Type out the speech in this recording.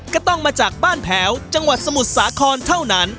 ก็ต้องมาจากบ้านแผลวจังหวัดสมุทรสาครเท่านั้น